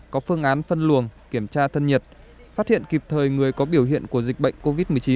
có phương án phân luồng kiểm tra thân nhiệt phát hiện kịp thời người có biểu hiện của dịch bệnh covid một mươi chín